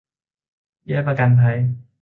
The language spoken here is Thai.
เบี้ยประกันภัย